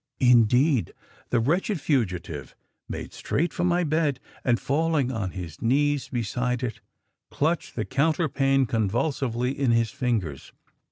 "Indeed, the wretched fugitive made straight for my bed, and, falling on his knees beside it, clutched the counterpane convulsively in his fingers.